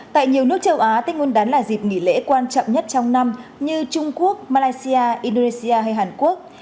tại nhiều nước châu á tết nguyên đán là dịp nghỉ lễ quan trọng nhất trong năm như trung quốc malaysia indonesia hay hàn quốc